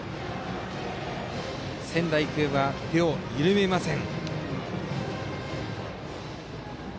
仙台育英は手を緩めません。